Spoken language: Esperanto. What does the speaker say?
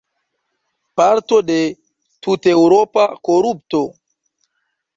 Parto de tuteŭropa korupto?